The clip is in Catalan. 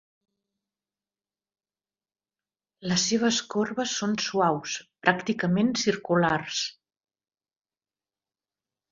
Les seves corbes són suaus, pràcticament circulars.